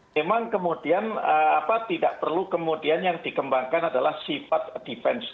memang kemudian tidak perlu kemudian yang dikembangkan adalah sifat defense